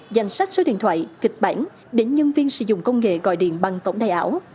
danh sách số điện thoại kịch bản để nhân viên sử dụng công nghệ gọi điện bằng tổng đài ảo